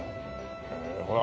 ほら。